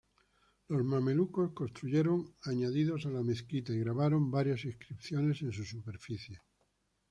Los mamelucos construyeron añadidos a la mezquita y grabaron varias inscripciones en su superficie.